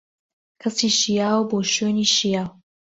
کەسی شیاو، بۆ شوێنی شیاو.